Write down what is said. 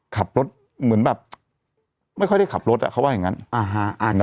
ขับรถเหมือนแบบไม่ค่อยได้ขับรถอ่ะเขาว่าอย่างงั้นอ่าฮะ